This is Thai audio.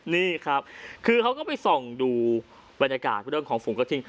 นี่ครับคือเขาก็ไปส่องดูบรรยากาศเรื่องของฝูงกระทิง